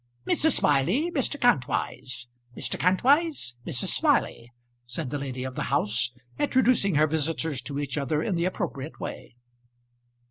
"Mrs. Smiley, Mr. Kantwise. Mr. Kantwise, Mrs. Smiley," said the lady of the house, introducing her visitors to each other in the appropriate way.